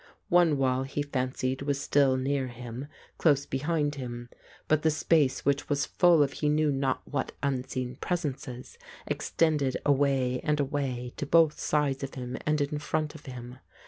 One wall, he fancied, was still near him, close behind him, but the space which was full 206 The Ape of he knew not what unseen presences, extended away and away to both sides of him and in front of him.